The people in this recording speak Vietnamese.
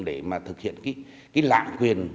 để mà thực hiện cái lạc quyền